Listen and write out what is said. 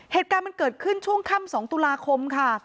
เหตุการณ์มันเกิดขึ้นช่วงค่ำ๒ตุลาคมค่ะ